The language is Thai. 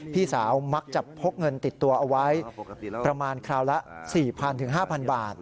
พี่สาวมักจะพกเงินติดตัวเอาไว้ประมาณคราวละ๔๐๐๕๐๐บาท